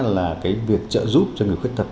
là việc trợ giúp cho người khuyết thật